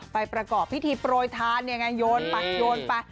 ไปประกอบพิธีโปรยธานยนต์ไปไป